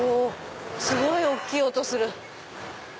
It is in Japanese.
すごい大きい音する。